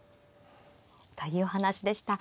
というお話でした。